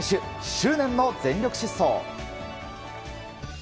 執念の全力疾走。